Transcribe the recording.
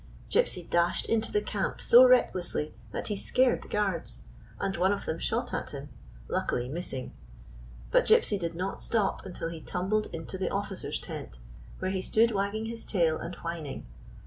Gypsy dashed into the camp so recklessly that he scared the guards, and one of them shot at him — luckily missing. But Gypsy did not stop until he tumbled into the officer's tent, where he stood wagging his tail and whining.